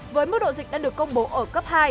với mức độ dịch đã được công bố ở cấp hai